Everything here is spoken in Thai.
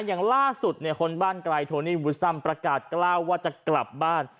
อย่างล่าสุดคนบ้านไกลโทนีบุซัมประกาศกราบว่าจะกลับบ้าน